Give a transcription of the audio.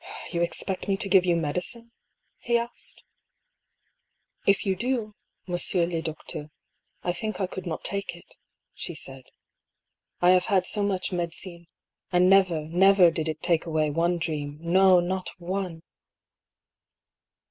" You expect me to give you medicine ?" he asked. " If you do, monsieur le docteur, I think I could not take it," she said. " I have had so much medicine^ and never, never did it take away one dream; no, not one